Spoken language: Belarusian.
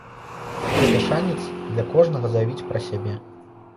Гэта шанец для кожнага заявіць пра сябе.